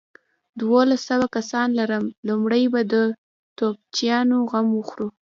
دوولس سوه کسان لرم، لومړۍ به د توپچيانو غم وخورو.